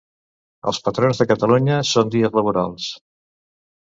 Els patrons de Catalunya són dies laborals.